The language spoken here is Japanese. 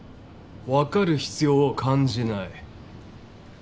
分かる必要を感じない。